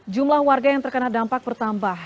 jumlah warga yang terkena dampak bertambah